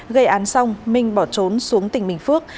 gây án xong minh bỏ trốn xuống tỉnh bình phước